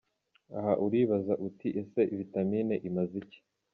Aha uribaza uti ese iyi vitamine imaze iki?.